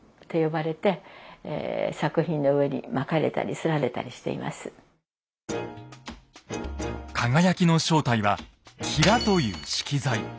それを輝きの正体は「きら」という色材。